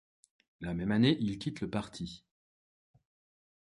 La même année, il quitte le parti.